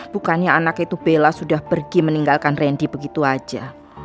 bukannya anak itu bella sudah pergi meninggalkan randy begitu saja